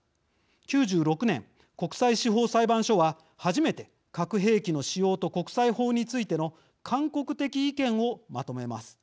９６年国際司法裁判所は初めて核兵器の使用と国際法についての勧告的意見をまとめます。